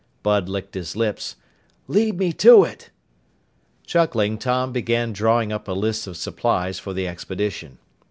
Bud licked his lips. "Lead me to it!" Chuckling, Tom began drawing up a list of supplies for the expedition.